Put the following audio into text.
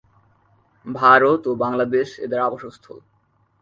ভারত ও বাংলাদেশ এদের আবাসস্থল।